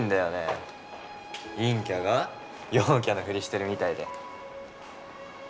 陰キャが陽キャのふりしてるみたいで。